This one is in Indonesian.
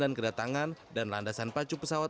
dan kedatangan dan landasan pacu pesawat